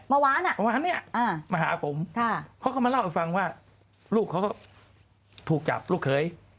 เมื่อวานอ่ะเมื่อวานเนี่ยมาหาผมเขาก็มาเล่าให้ฟังว่าลูกเขาก็ถูกจับลูกเขย